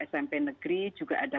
smp negeri juga ada